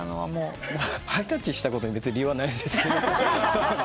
ハイタッチしたことに別に理由はないんですけど。